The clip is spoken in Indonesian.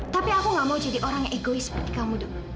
tapi aku gak mau jadi orang yang egois seperti kamu